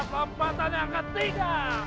tempatan yang ketiga